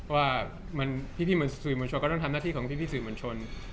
ว่าพี่สื่อมวลชนก็ต้องทำหน้าที่ของพี่สื่อมวลชน